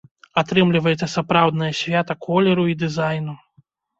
Атрымліваецца сапраўднае свята колеру і дызайну.